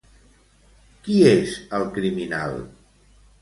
Qui és el criminal?